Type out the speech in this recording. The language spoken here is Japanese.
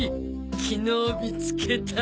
昨日見つけた。